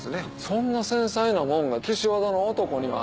そんな繊細なもんが岸和田の男には。